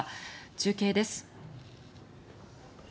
中継です。